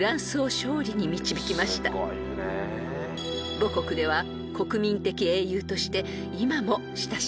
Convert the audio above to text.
［母国では国民的英雄として今も親しまれています］